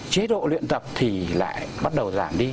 chế độ luyện tập thì lại bắt đầu giảm đi